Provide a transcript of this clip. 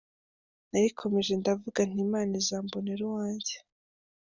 Narikomeje ndavuga nti ‘Imana izambonera uwanjye’.